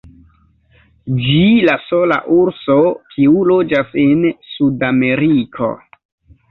Ĝi la sola urso, kiu loĝas en Sudameriko.